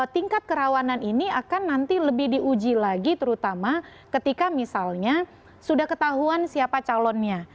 tingkat kerawanan ini akan nanti lebih diuji lagi terutama ketika misalnya sudah ketahuan siapa calonnya